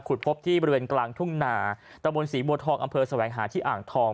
พบที่บริเวณกลางทุ่งนาตะบนศรีบัวทองอำเภอแสวงหาที่อ่างทอง